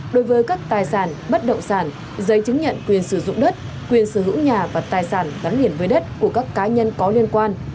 đối với các tài sản bất động sản giấy chứng nhận quyền sử dụng đất quyền sở hữu nhà và tài sản gắn liền với đất của các cá nhân có liên quan